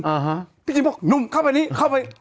อ่าฮะพี่จิ้มบอกหนุ่มเข้าไปนี้เข้าไป